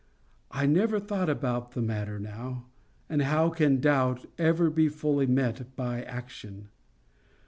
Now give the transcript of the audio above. I never thought about the matter now.—And how can doubt ever be fully met but by action?